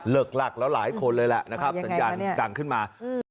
หลักแล้วหลายคนเลยแหละนะครับสัญญาณดังขึ้นมา